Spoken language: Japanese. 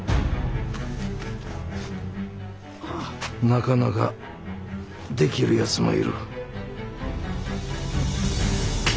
なかなかできる奴もいる。